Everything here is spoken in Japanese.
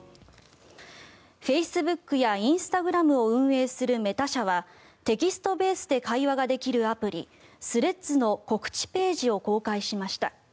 フェイスブックやインスタグラムを運営するメタ社はテキストベースで会話ができるアプリスレッズの告知ページを公開しました。